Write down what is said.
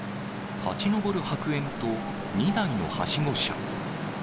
立ち上る白煙と２台のはしご車。